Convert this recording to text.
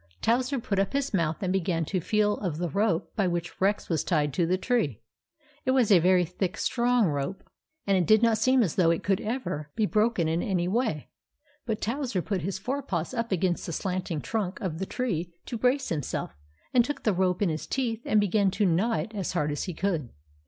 Towser put up his mouth and began to feel of the rope by which Rex was tied to the tree. It was a very thick strong rope, and it did not seem as though it could ever s 62 THE ADVENTURES OF MABEL be broken in any way ; but Towser put his fore paws up against the slanting trunk of the tree to brace himself, and took the rope in his teeth and began to gnaw it as hard as he could.